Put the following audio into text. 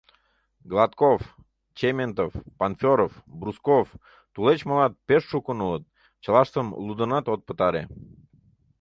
Гладков, Чементов, Панферов, Брусков, тулеч молат — пеш шукын улыт, чылаштым лудынат от пытаре.